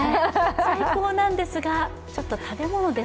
最高なんですが、今回、食べ物です。